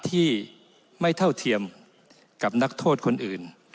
ที่ไม่เท่าเทียมกับนักโทษคนอื่น